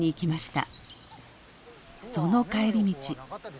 その帰り道。